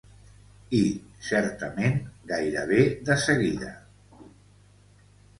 I, certament, gairebé de seguida...